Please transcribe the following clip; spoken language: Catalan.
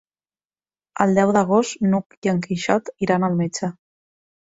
El deu d'agost n'Hug i en Quixot iran al metge.